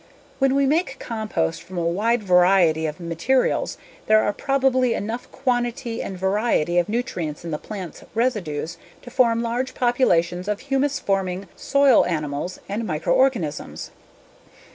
When we make compost from a wide variety of materials there are probably enough quantity and variety of nutrients in the plant residues to form large populations of humus forming soil animals and microorganisms.